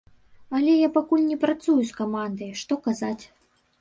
Але я пакуль не працую з камандай, што казаць.